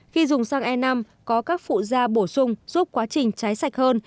khi dùng xăng e năm có các phụ da bổ sung giúp quá trình trái sạch hơn